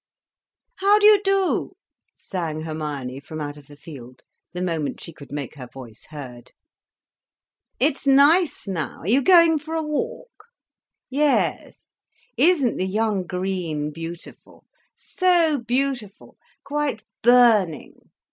"How do you do," sang Hermione, from out of the field, the moment she could make her voice heard. "It's nice now. Are you going for a walk? Yes. Isn't the young green beautiful? So beautiful—quite burning.